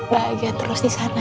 bahagia terus disana ya